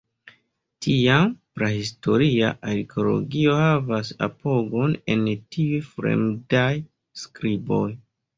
Tiam, prahistoria arkeologio havas apogon en tiuj fremdaj skriboj.